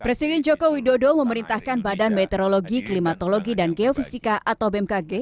presiden joko widodo memerintahkan badan meteorologi klimatologi dan geofisika atau bmkg